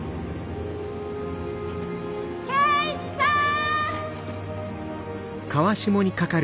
圭一さん！